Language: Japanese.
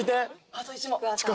あと１問。